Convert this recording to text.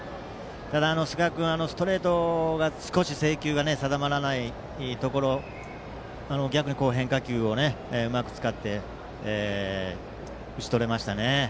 寿賀君、ストレートが少し制球が定まらないところ逆に変化球をうまく使って打ち取れましたね。